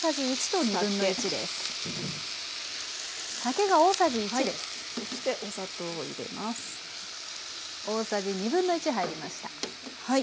そしてお砂糖を入れます。